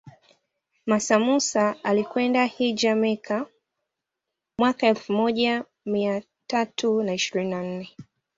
Mansa Musa alikwenda hijja Mecca mwaka elfu moja mia tatu na ishirini na nne